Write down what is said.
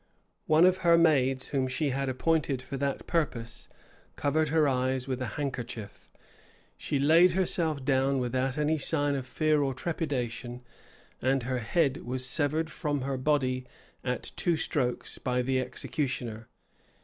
* Jebb, p. 307, 492. One of her maids, whom she had appointed for that purpose, covered her eyes with a handkerchief; she laid herself down without any sign of fear or trepidation, and her head was severed from her body at two strokes by the executioner.